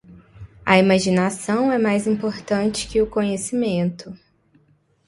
A imaginação é mais importante que o conhecimento.